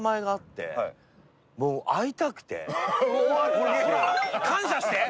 ほらほら感謝して！